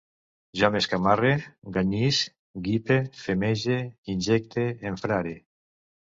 Jo m'escamarre, ganyisc, guipe, femege, injecte, enfrare